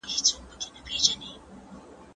آیا ته په خپله مورنۍ ژبه لیکل او لوستل کولای سې؟